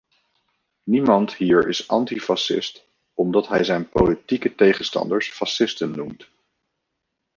Niemand hier is antifascist omdat hij zijn politieke tegenstanders fascisten noemt.